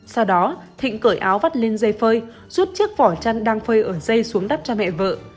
sau đó thịnh cởi áo vắt lên dây phơi rút chiếc vỏ chăn đang phơi ở dây xuống đắp cha mẹ vợ